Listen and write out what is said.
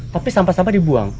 tapi sampah sampah dibuang